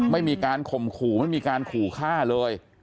ไม่มีการข่มขู่ไม่มีการขู่ฆ่าเลย